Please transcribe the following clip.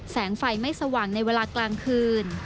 แสงไฟไม่สว่างในเวลากลางคืน